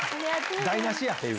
台なしや。